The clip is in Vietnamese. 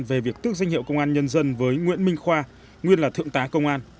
về việc tước danh hiệu công an nhân dân với nguyễn minh khoa nguyên là thượng tá công an